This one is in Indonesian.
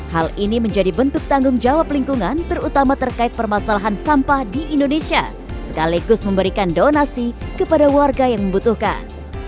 hal ini menjadi bentuk tanggung jawab lingkungan terutama terkait permasalahan sampah di indonesia sekaligus memberikan donasi kepada warga yang membutuhkan